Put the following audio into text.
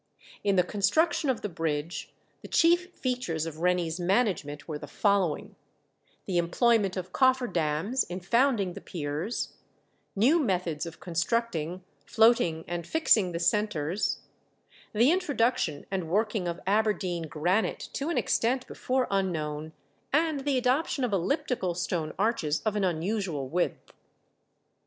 In the construction of the bridge the chief features of Rennie's management were the following: The employment of coffer dams in founding the piers; new methods of constructing, floating, and fixing the centres; the introduction and working of Aberdeen granite to an extent before unknown; and the adoption of elliptical stone arches of an unusual width.